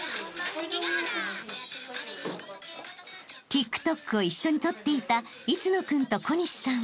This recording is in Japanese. ［ＴｉｋＴｏｋを一緒に撮っていた伊津野君と小西さん］